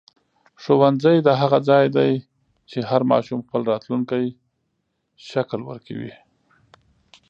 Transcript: ښوونځی د هغه ځای دی چې هر ماشوم خپل راتلونکی شکل ورکوي.